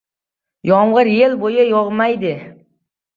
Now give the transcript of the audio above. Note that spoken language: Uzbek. Yomg‘ir yil bo‘yi yog‘maydi.